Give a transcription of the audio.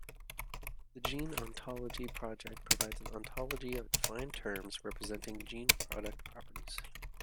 The Gene Ontology project provides an ontology of defined terms representing gene product properties.